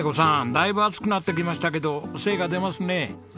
だいぶ暑くなってきましたけど精が出ますね。